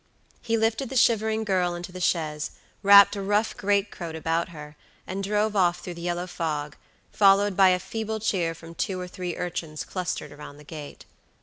He lifted the shivering girl into the chaise, wrapped a rough great coat about her, and drove off through the yellow fog, followed by a feeble cheer from two or three urchins clustered around the gate.